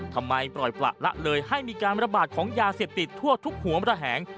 ทำไมปล่อยประละเลยให้มีการระบาดของยาเสพติดทั่วทุกหัวมระแหง